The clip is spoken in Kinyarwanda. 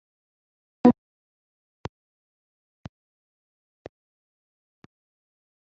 Bagomba kubanza gusezerera inarijye burundu